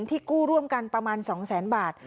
ที่กู้ร่วมกันประมาณ๒แสนบาท